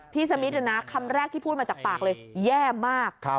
สมิทคำแรกที่พูดมาจากปากเลยแย่มาก